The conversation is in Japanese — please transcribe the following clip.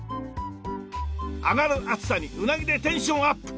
上がる暑さにうなぎでテンションアップ！